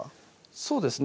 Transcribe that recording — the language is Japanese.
そうですね